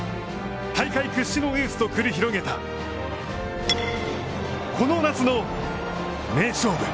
大会屈指のエースと繰り広げた、この夏の名勝負。